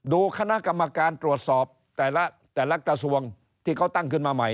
ดูคณะกรรมการตรวจสอบแต่ละกระทรวงที่เขาตั้งขึ้นมาใหม่